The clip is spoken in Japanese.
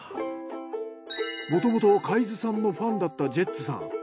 もともと海津さんのファンだったジェッツさん。